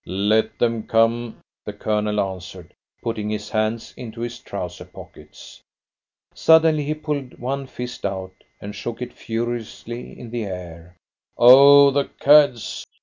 "Let them come!" the Colonel answered, putting his hands into his trouser pockets. Suddenly he pulled one fist out, and shook it furiously in the air. "Oh, the cads!